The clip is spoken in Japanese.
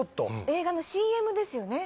映画のＣＭですよね？